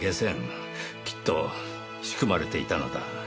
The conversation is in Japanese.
きっと仕組まれていたのだ。